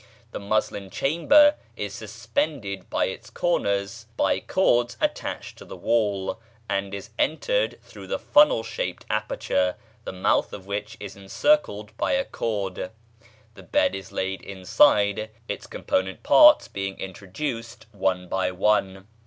This muslin chamber is suspended by its corners by cords attached to the wall, and is entered through the funnel shaped aperture, the mouth of which is encircled by a cord. The bed is laid inside, its component parts being introduced one by one.